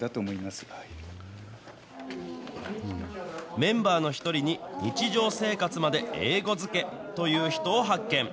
メンバーの一人に、日常生活まで英語漬けという人を発見。